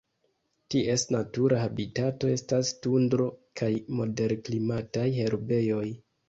Ties natura habitato estas tundro kaj moderklimataj herbejoj.